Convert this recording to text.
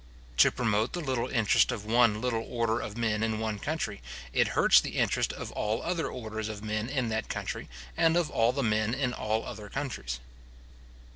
To promote the little interest of one little order of men in one country, it hurts the interest of all other orders of men in that country, and of all the men in all other countries.